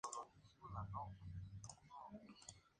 El próximo comandante, Manning, acaba por tener el mismo fin.